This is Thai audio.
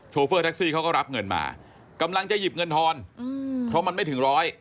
เฟอร์แท็กซี่เขาก็รับเงินมากำลังจะหยิบเงินทอนเพราะมันไม่ถึงร้อย